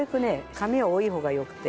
紙は多い方が良くて。